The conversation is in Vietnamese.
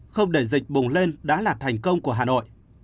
không để dịch bùng lên đã là thành công của hà nội